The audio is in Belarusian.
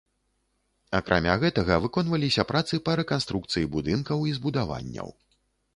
Акрамя гэтага, выконваліся працы па рэканструкцыі будынкаў і збудаванняў.